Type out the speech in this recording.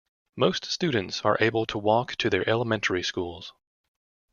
Most students are able to walk to their elementary schools.